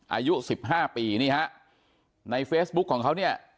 อายุสิบห้าปีนี่ฮะในเฟซบุ๊คของเขาเนี่ย